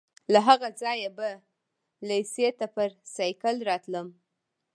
له هغه ځایه به لېسې ته پر سایکل راتلم.